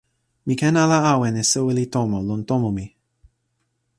mi ken ala awen e soweli tomo lon tomo mi.